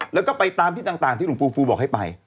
แล้วก็ไปตามที่ต่างที่หลวงปูฟูบอกให้ไป